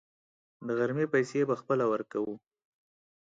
د غرمې پیسې به خپله ورکوو.